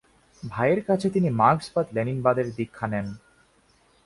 ভাইয়ের কাছে তিনি মার্ক্সবাদ-লেনিনবাদের দীক্ষা নেন।